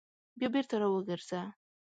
بیا بېرته راوګرځه !